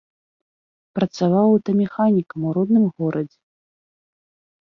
Працаваў аўтамеханікам у родным горадзе.